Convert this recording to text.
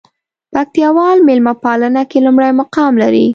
پکتياوال ميلمه پالنه کې لومړى مقام لري.